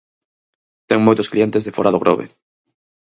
Ten moitos clientes de fóra do Grove.